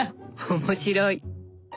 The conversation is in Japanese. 面白い！